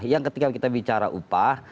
yang ketika kita bicara upah